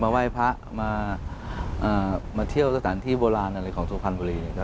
ไหว้พระมาเที่ยวสถานที่โบราณอะไรของสุพรรณบุรี